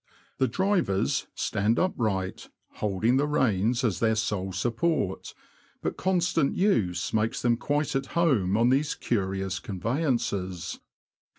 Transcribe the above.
The drivers stand upright, holding the reins as their sole support ; but constant use makes them quite at home on these curious conveyances.